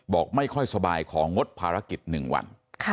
บอกไม่ค่อยสบายของงดภารกิจ๑วัน